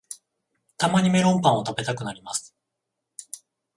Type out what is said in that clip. たまにメロンパンを食べたくなります